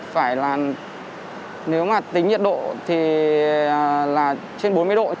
phải là nếu mà tính nhiệt độ thì là trên bốn mươi độ c